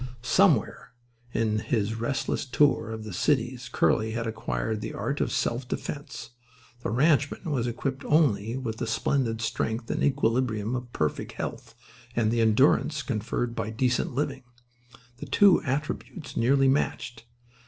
Somewhere in his restless tour of the cities Curly had acquired the art of self defence. The ranchman was equipped only with the splendid strength and equilibrium of perfect health and the endurance conferred by decent living. The two attributes nearly matched.